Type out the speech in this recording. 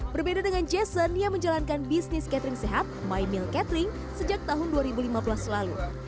berbeda dengan jason yang menjalankan bisnis catering sehat my mill catering sejak tahun dua ribu lima belas lalu